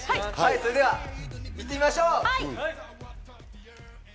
それでは行ってみましょう。